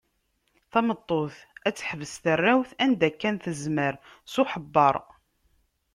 Tameṭṭut ad teḥbes tarrawt anda kan tezmer s uḥebber.